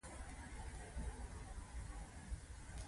چې تازه په تازه د توپونو نښه ګرځول شوي و.